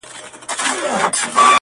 نن جهاني په ستړو منډو رباتونه وهي-